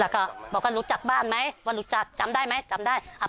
แล้วก็บอกว่ารู้จักบ้านไหมว่ารู้จักจำได้ไหมจำได้